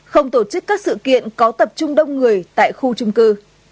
không tổ chức các sự kiện có tập trung đông người tại khu trung cư